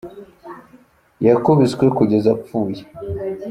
Yakubiswe kugeza apfuye